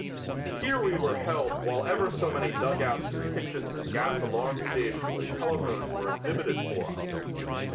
Here we were held while ever so many dugouts and kitchens and gas alarm stations and telephones were exhibited for us.